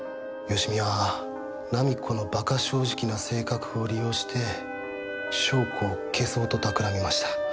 芳美は菜実子の馬鹿正直な性格を利用して翔子を消そうと企みました。